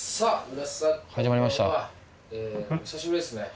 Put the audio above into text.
久しぶりですね